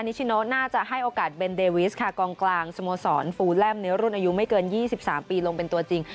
ชิโนน่าจะให้โอกาสเบนเดวิสค่ะกองกลางสโมสรฟูแลมในรุ่นอายุไม่เกิน๒๓ปีลงเป็นตัวจริง